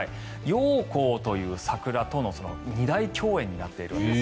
ヨウコウという桜との二大共演になっているんです。